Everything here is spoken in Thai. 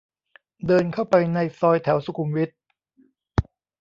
เดินเข้าไปในซอยแถวสุขุมวิท